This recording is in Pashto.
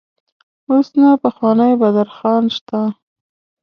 اوس نه پخوانی بادر خان شته.